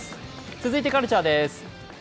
続いてカルチャーです。